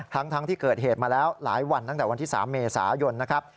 ทั้งที่เกิดเหตุมาแล้วหลายวันตั้งแต่วันที่๓เมษายนนะครับ